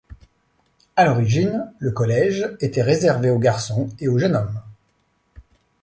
À l'origine, le Collège était réservé aux garçons et aux jeunes hommes.